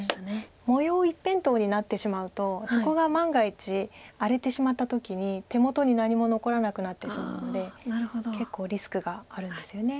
模様一辺倒になってしまうとそこが万が一荒れてしまった時に手元に何も残らなくなってしまうので結構リスクがあるんですよね。